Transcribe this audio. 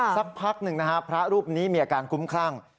สักพักหนึ่งนะฮะพระรูปนี้มีอาการคุ้มคลั่ง